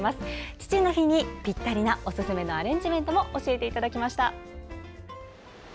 父の日にぴったりなおすすめのアレンジメントも教えていただきました。